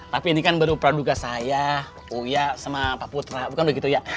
tapi ini kan baru praduga saya uya sama pak putra bukan begitu ya